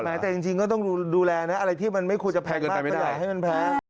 แต่จริงก็ต้องดูแลนะอะไรที่มันไม่ควรจะแพงมากเท่าไหร่ให้มันแพง